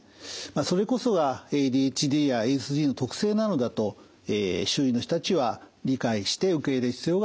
それこそがＡＤＨＤやＡＳＤの特性なのだと周囲の人たちは理解して受け入れる必要があると思います。